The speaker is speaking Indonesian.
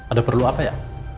ada perlu apa ya